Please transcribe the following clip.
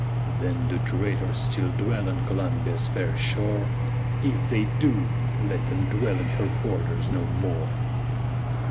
Chorus Then do traitors still dwell on Columbia's fair shore, IF THEY DO, let them dwell in her borders no more!